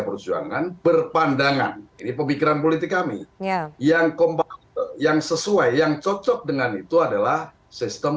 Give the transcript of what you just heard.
perjuangan berpandangan ini pemikiran politik kami yang kompak yang sesuai yang cocok dengan itu adalah sistem